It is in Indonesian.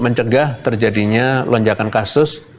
mencegah terjadinya lonjakan kasus